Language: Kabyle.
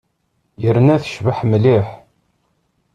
Yerna tecbeḥ mliḥ.